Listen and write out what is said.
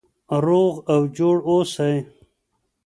روغ او جوړ اوسئ.